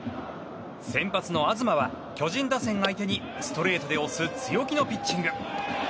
先発の東は、巨人打線相手にストレートで押す強気のピッチング。